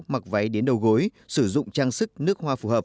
mặc váy đến đầu gối sử dụng trang sức nước hoa phù hợp